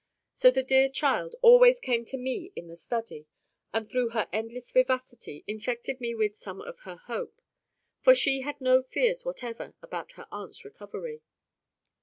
So the dear child always came to me in the study, and through her endless vivacity infected me with some of her hope. For she had no fears whatever about her aunt's recovery.